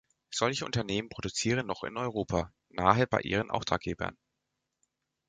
Solche Unternehmen produzieren noch in Europa, nahe bei ihren Auftraggebern.